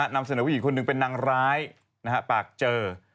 นำเสนอผู้หญิงคนหนึ่งเป็นนางร้ายปากเจอ